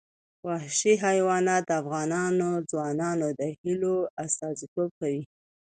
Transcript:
وحشي حیوانات د افغان ځوانانو د هیلو استازیتوب کوي.